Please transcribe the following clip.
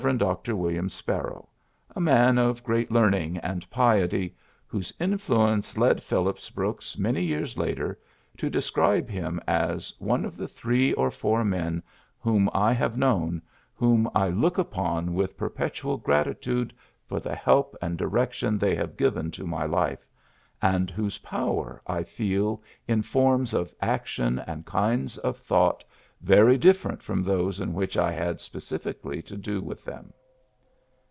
Dr. William Sparrow, a man of great learn ing and piety, whose influence led Phil lips Brooks many years later to describe him as ^'one of the three or four men whom I have known whom I look upon 16 PHILLIPS BEOOKS with perpetual gratitude for the help and direction they have given to my life, and whose power I feel in forms of action and kinds of thought very dif ferent from those in which I had specifi cally to do with them."